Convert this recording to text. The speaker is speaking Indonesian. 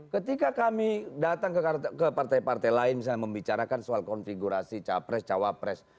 ketika kami datang ke partai partai lain misalnya membicarakan soal konfigurasi capres cawapres